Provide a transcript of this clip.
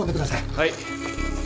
はい。